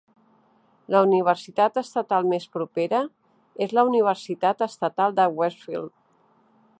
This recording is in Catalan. La universitat estatal més propera és la Universitat estatal de Westfield.